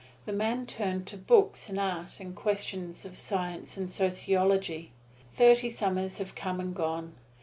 The man turned to books and art and questions of science and sociology. Thirty summers have come and gone.